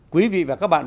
quý vị và các bạn